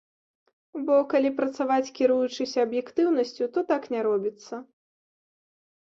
Бо калі працаваць, кіруючыся аб'ектыўнасцю, то так не робіцца.